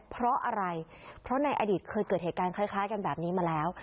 เพราะอะไรเพราะในอดีตเคยเกิดเหตุการณ์คล้ายกันแบบนี้มาแล้ว